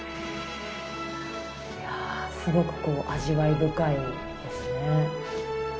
いやぁすごくこう味わい深いですね。